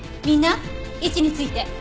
みんな位置について。